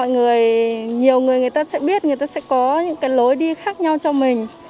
nhiều người người ta sẽ biết người ta sẽ có những cái lối đi khác nhau cho mình